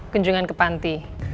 kunjungan ke panti